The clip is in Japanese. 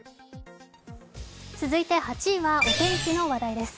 続いて８位はお天気の話題です。